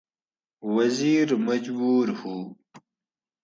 وزیر مجبُور ہُو